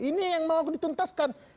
ini yang mau dituntaskan